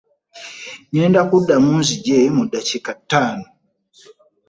Ngenda kudamu nzigye mu dakiika taano.